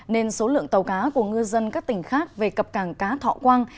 nên số lượng tàu cá của ngư dân các tỉnh khác về cặp càng cá thọ quang